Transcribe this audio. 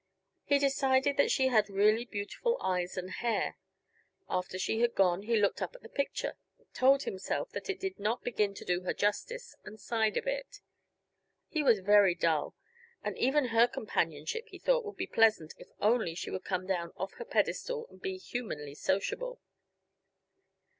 He decided that she had really beautiful eyes and hair; after she had gone he looked up at the picture, told himself that it did not begin to do her justice, and sighed a bit. He was very dull, and even her companionship, he thought, would be pleasant if only she would come down off her pedestal and be humanly sociable.